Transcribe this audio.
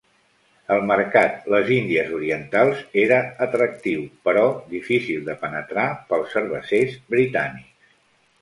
El mercat les Índies Orientals era atractiu però difícil de penetrar pels cervesers britànics.